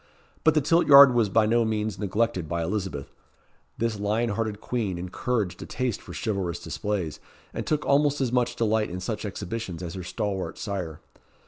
But the tilt yard was by no means neglected by Elizabeth. This lion hearted queen encouraged a taste for chivalrous displays, and took almost as much delight in such exhibitions as her stalwart sire.